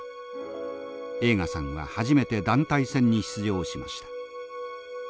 栄花さんは初めて団体戦に出場しました。